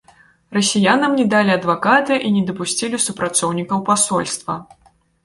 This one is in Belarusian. Расіянам не далі адваката і не дапусцілі супрацоўнікаў пасольства.